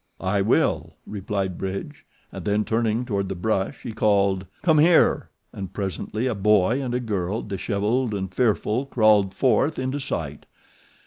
"I will," replied Bridge, and then turning toward the brush he called: "Come here!" and presently a boy and a girl, dishevelled and fearful, crawled forth into sight.